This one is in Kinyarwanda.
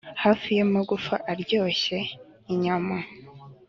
hafi yamagufwa aryoshye inyama